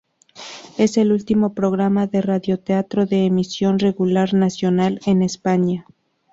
Es el último programa de radioteatro de emisión regular nacional en España.